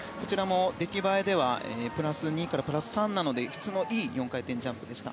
出来栄えではプラス２からプラス３なので、質のいい４回転ジャンプでした。